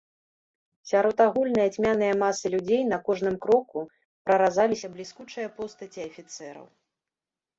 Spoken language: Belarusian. Сярод агульнае цьмянае масы людзей на кожным кроку праразаліся бліскучыя постаці афіцэраў.